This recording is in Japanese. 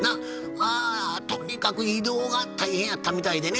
まあとにかく移動が大変やったみたいでね。